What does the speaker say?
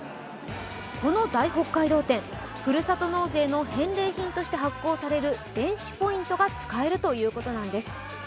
この大北海道展、ふるさと納税の返礼品として発行される電子ポイントが使えるということなんです。